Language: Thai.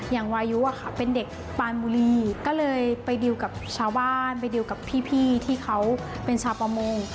วายุเป็นเด็กปานบุรีก็เลยไปดิวกับชาวบ้านไปดิวกับพี่ที่เขาเป็นชาวประมง